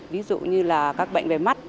ví dụ như là các bệnh về mắt